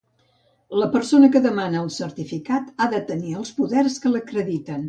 La persona que demana el certificat ha de tenir els poders que l'acrediten.